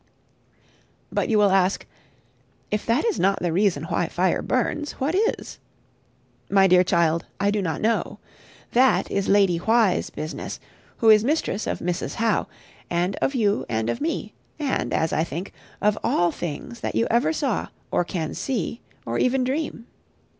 But you will ask, "If that is not the reason why fire burns, what is?" My dear child, I do not know. That is Lady Why's business, who is mistress of Mrs. How, and of you and of me; and, as I think, of all things that you ever saw, or can see, or even dream.